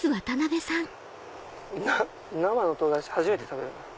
生の唐辛子初めて食べる。